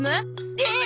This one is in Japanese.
えっ？